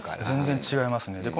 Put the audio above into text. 全然違いますね。